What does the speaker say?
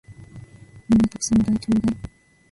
皆んな沢山お題ちょーだい！